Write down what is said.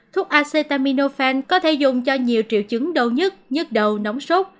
thuốc acetaminophen có thể dùng cho nhiều triệu chứng đầu nhất nhất đầu nóng sốt